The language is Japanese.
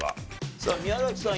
さあ宮崎さん